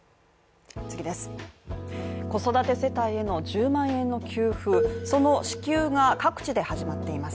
子育て世帯への１０万円の給付、その支給が各地で始まっています。